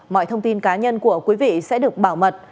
mọi thông tin cá nhân của quý vị sẽ được bảo mật